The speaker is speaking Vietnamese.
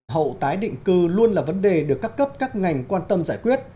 hậu tái định cư luôn là vấn đề được các cấp các ngành quan tâm giải quyết